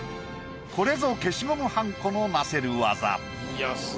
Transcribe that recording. これぞ消しゴムはんこのなせる技。